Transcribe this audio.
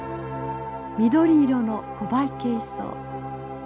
緑色のコバイケイソウ。